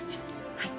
はい。